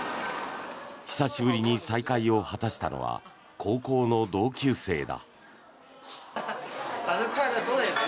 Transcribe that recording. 久しぶりに再会を果たしたのは高校の同級生だ。